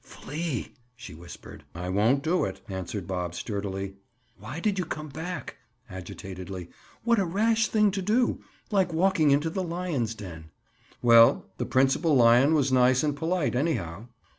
"Flee!" she whispered. "I won't do it," answered Bob sturdily. "Why did you come back?" Agitatedly, "What a rash thing to do! Like walking into the lions' den." "Well, the principal lion was nice and polite, anyhow."